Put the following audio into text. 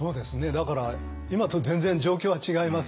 だから今と全然状況は違いますよね。